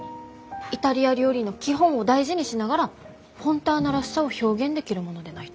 イタリア料理の基本を大事にしながらフォンターナらしさを表現できるものでないと。